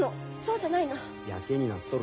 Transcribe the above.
ヤケになっとる。